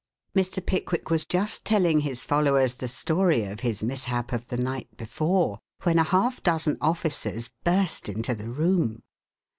Mr. Pickwick was just telling his followers the story of his mishap of the night before, when a half dozen officers burst into the room.